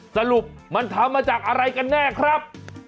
สรุปมันทำมาจากอะไรกันแน่ครับ